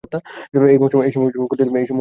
এই মৌসুমের ক্ষতির দায় আমি নেব।